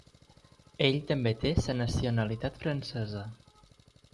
Ell també té la nacionalitat francesa.